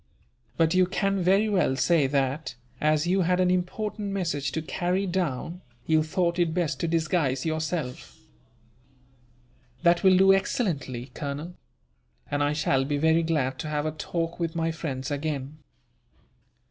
But you can very well say that, as you had an important message to carry down, you thought it best to disguise yourself." "That will do excellently, Colonel; and I shall be very glad to have a talk with my friends again."